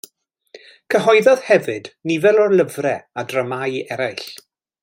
Cyhoeddodd hefyd nifer o lyfrau a dramâu eraill.